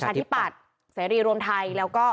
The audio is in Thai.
กรุงเทพฯมหานครทำไปแล้วนะครับ